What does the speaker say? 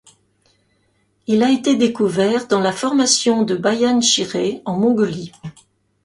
Il a été découvert dans la formation de Bayan Shireh en Mongolie.